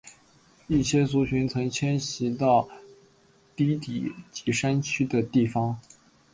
一些族群曾迁徙到低地及山区的地方。